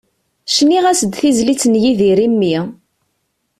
Cniɣ-as-d tizlit n Yidir i mmi.